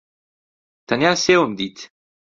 تەنیا سێوم دیت.